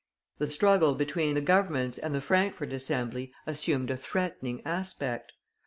The struggle between the Governments and the Frankfort Assembly assumed a threatening aspect.